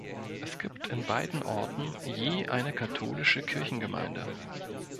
Es gibt in beiden Orten je eine katholische Kirchengemeinde.